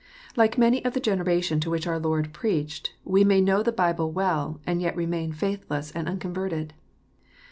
![iike many of the generation to which our Lord preached, we may know the Bible well, and yet remain faithless and unconverted.